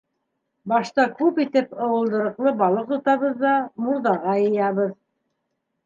- Башта күп итеп ыуылдырыҡлы балыҡ тотабыҙ ҙа мурҙаға йыябыҙ.